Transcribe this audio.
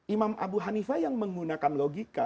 imam abu hanifah yang menggunakan logika